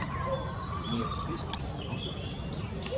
Mear Frysk yn ’e krante?